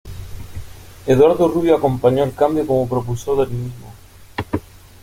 Eduardo Rubio acompañó el cambio como propulsor del mismo.